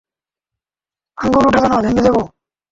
আঙুল উঠাবে না, ভেঙ্গে দেব।